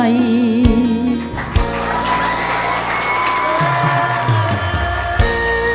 ขอบคุณครับ